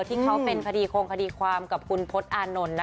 ที่เขาเป็นคดีโครงคดีความกับคุณพจน์อานนท์